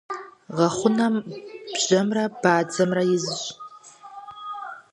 Гъэхъунэм бжьэмрэ бадзэмрэ изщ.